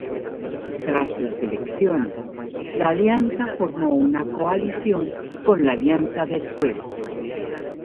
Tras las elecciones, la Alianza formó una coalición con la Alianza del Pueblo.